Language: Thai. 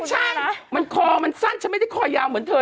ใช่เหรอมันคอมันสั้นฉันไม่ได้คอยาวเหมือนเธอ